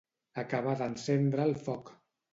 Acabar d'encendre el foc.